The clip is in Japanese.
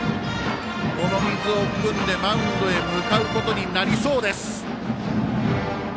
この水を含んでマウンドに向かうことになりそうです。